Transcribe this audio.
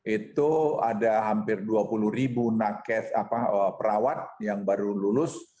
itu ada hampir dua puluh ribu nakes perawat yang baru lulus